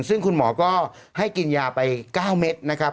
ซึ่งคุณหมอก็ให้กินยาไป๙เม็ดนะครับ